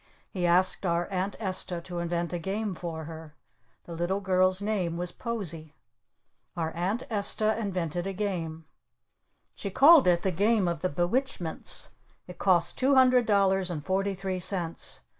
He asked our Aunt Esta to invent a Game for her. The little girl's name was Posie. Our Aunt Esta invented a Game. She called it the Game of the Be Witchments. It cost two hundred dollars and forty three cents.